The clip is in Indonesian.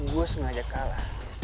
gue sengaja kalah